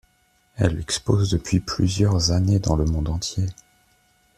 Elle expose depuis plusieurs années dans le monde entier.